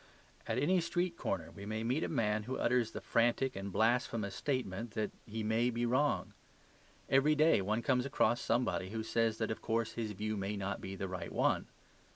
At any street corner we may meet a man who utters the frantic and blasphemous statement that he may be wrong. Every day one comes across somebody who says that of course his view may not be the right one.